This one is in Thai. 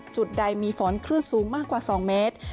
จุดใดมีฝนคลื่นสูงมากกว่า๒เมตร